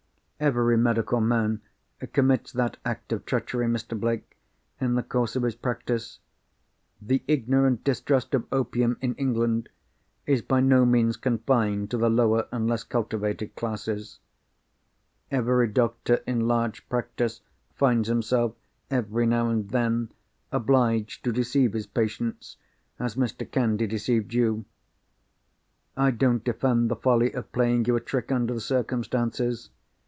"Every medical man commits that act of treachery, Mr. Blake, in the course of his practice. The ignorant distrust of opium (in England) is by no means confined to the lower and less cultivated classes. Every doctor in large practice finds himself, every now and then, obliged to deceive his patients, as Mr. Candy deceived you. I don't defend the folly of playing you a trick under the circumstances.